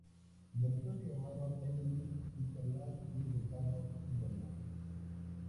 De los cuales se llamaron Emily Sutherland y Ricardo Sutherland.